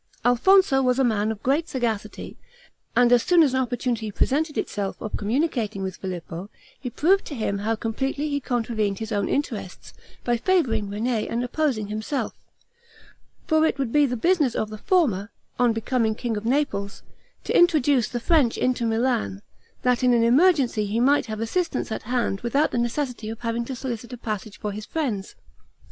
Alfonso was a man of great sagacity, and as soon as an opportunity presented itself of communicating with Filippo, he proved to him how completely he contravened his own interests, by favoring René and opposing himself; for it would be the business of the former, on becoming king of Naples, to introduce the French into Milan; that in an emergency he might have assistance at hand, without the necessity of having to solicit a passage for his friends.